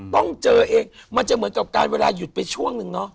ต้องเจอเองมันจะเหมือนกับการเวลาหยุดไปช่วงนึงเนาะ